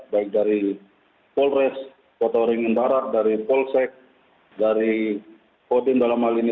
baik dari polres kota ringan barat dari polsek dari kodim dalam hal ini